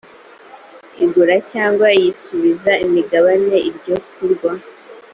igura cyangwa yisubiza imigabane iryo kurwaho